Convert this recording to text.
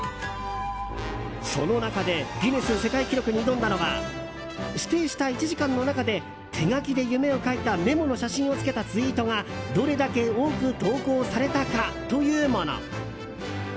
その中でギネス世界記録に挑んだのは指定した１時間の中で手書きで夢を書いたメモの写真をつけたツイートがどれだけ多く投稿されたかというもの。